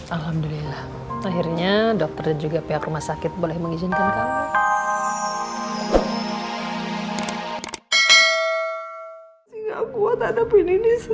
alhamdulillah akhirnya dokter juga pihak rumah sakit boleh mengizinkan